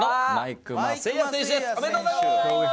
おめでとうございまーす！